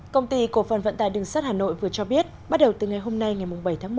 công ty cổ phần vận tài đường sắt hà nội vừa cho biết bắt đầu từ ngày hôm nay ngày bảy tháng một